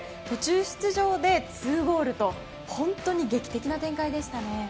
途中出場で２ゴールと本当に劇的な展開でしたね。